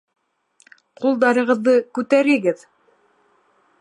Ҡулдарығыҙҙы күтәрегеҙ!